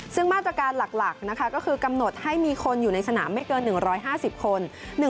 ซึ่งมาตรการหลักนะคะก็คือกำหนดให้มีคนอยู่ในสนามไม่เกิน๑๕๐คน